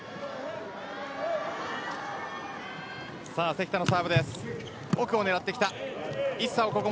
関田のサーブです。